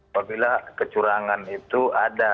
apabila kecurangan itu ada